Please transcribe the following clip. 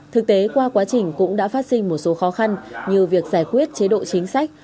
thực tế qua quá trình cũng đã phát sinh một số khó khăn như việc giải quyết chế độ chính sách